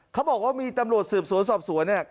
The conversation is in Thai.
เขาบอกว่ามีตำรวจสืบสวนสอบสวนเนี่ย